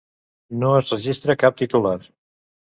No es registra cap titular.